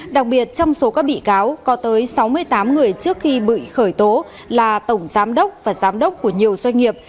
đặc biệt trong số các bị cáo có tới sáu mươi tám người trước khi bị khởi tố là tổng giám đốc và giám đốc của nhiều doanh nghiệp